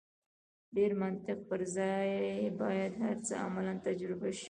ډېر منطق پر ځای باید هر څه عملاً تجربه شي.